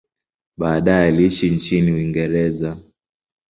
Baadaye aliishi nchini Uingereza.